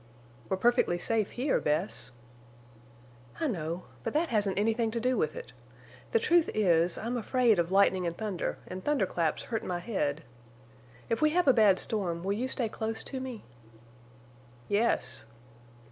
"We're perfectly safe here, Bess." "I know. But that hasn't anything to do with it. The truth is I'm afraid of lightning and thunder, and thunder claps hurt my head. If we have a bad storm, will you stay close to me?" "Yes."